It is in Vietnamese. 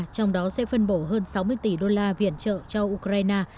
trong đó sẽ phân bổ hơn sáu mươi tỷ đô la viện trợ cho ukraine